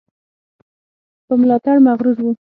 په ملاتړ مغرور وو.